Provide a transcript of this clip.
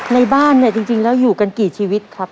ในบ้านเนี่ยจริงแล้วอยู่กันกี่ชีวิตครับ